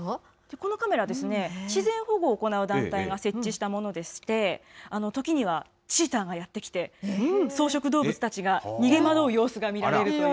このカメラ、自然保護を行う団体が設置したものでして、時には、チーターがやって来て、草食動物たちが逃げ惑う様子が見られるという。